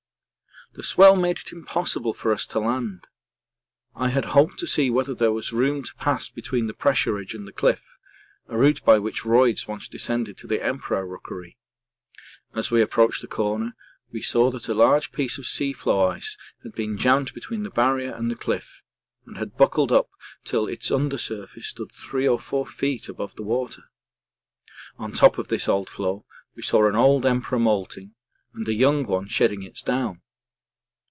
The swell made it impossible for us to land. I had hoped to see whether there was room to pass between the pressure ridge and the cliff, a route by which Royds once descended to the Emperor rookery; as we approached the corner we saw that a large piece of sea floe ice had been jammed between the Barrier and the cliff and had buckled up till its under surface stood 3 or 4 ft. above the water. On top of this old floe we saw an old Emperor moulting and a young one shedding its down.